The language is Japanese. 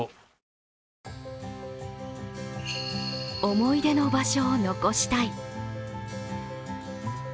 思い出の場所を残したい。